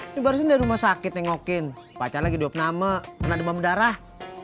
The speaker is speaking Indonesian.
ini barusan dari rumah sakit yang ngokin pacar lagi dua pename pernah demam darah